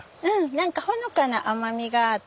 何かほのかな甘みがあって。